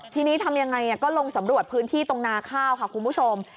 ทีนี้ทำยังไงก็ลงสำรวจพื้นที่ตรงนาข้าวค่ะคุณผู้ชม